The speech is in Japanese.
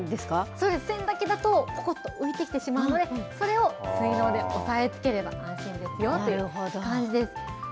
そうです、栓だけだとぽこっと浮いてきてしまうので、それを水のうで押さえつければ安心ですよという感じです。